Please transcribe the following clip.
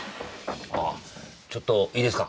ああちょっといいですか？